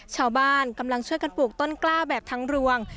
ชาวบ้านกำลังช่วยกันปลูกต้นกล้าแบบทั้งรวง